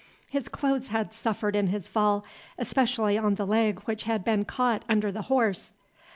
His clothes had suffered in his fall, especially on the leg which had been caught under the horse.